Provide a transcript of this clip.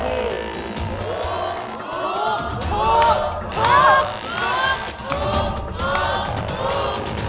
ถูก